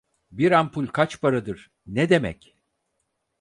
Bir ampul kaç paradır, ne demek?